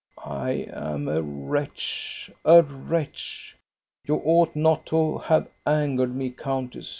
" I am a wretch, a wretch. You ought not to have angered me, countess.